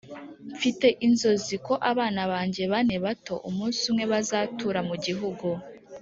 mfite inzozi ko abana banjye bane bato umunsi umwe bazatura mugihugu